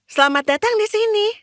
selamat datang di sini